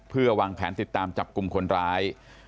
เพื่อวางแผนติดตามจับกลุ่มคนร้าย